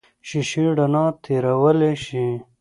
شیشې رڼا تېرولی شي.